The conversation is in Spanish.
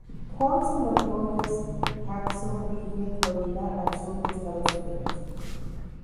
Johns en lo que hoy es Jacksonville, Florida, al sur de Estados Unidos.